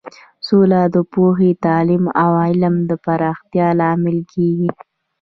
سوله د پوهې، تعلیم او علم د پراختیا لامل کیږي.